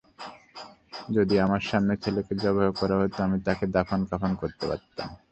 যদি আমার সামনে ছেলেকে যবেহ করা হত, আমি তাকে দাফন-কাফন করতে পারতাম।